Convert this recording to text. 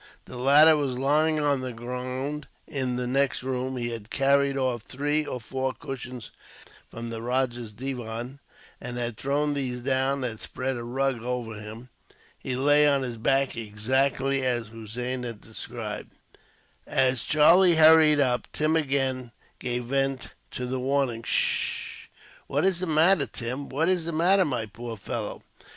The latter was lying on the ground, in the next room. He had carried off three or four cushions, from the rajah's divan, and had thrown these down, and had spread a rug over him. He lay on his back, exactly as Hossein had described. As Charlie hurried up, Tim again gave vent to the warning "S s s h." "What is the matter, Tim? What is the matter, my poor fellow?"